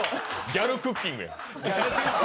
ギャルクッキング。